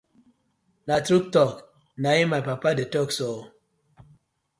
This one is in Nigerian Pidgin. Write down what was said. Na true talk na im my father de talk so.